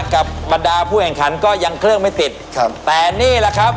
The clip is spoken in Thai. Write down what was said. บรรดาผู้แข่งขันก็ยังเครื่องไม่ติดครับแต่นี่แหละครับ